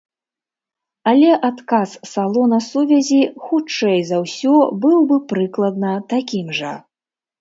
Але адказ салона сувязі, хутчэй за ўсё, быў бы прыкладна такім жа.